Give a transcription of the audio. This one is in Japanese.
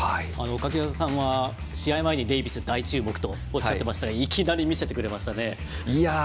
柿澤さんは試合前にデイビスが大注目だとおっしゃってましたがいきなり見せてくれましたね。